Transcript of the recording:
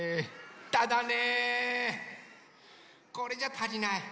ただねこれじゃたりない。